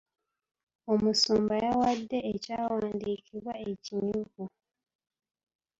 Omusumba yawadde ekyawandiikibwa ekinyuvu.